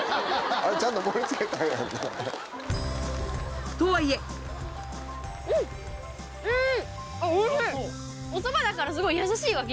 あれちゃんと盛り付けたんやんな？とはいえうんうん！